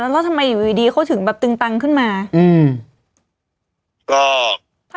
แล้วทำไมอยู่ดีดีเขาถึงแบบตึงตังขึ้นมาอืม